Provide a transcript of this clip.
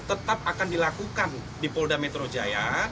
tetap akan dilakukan di polda metro jaya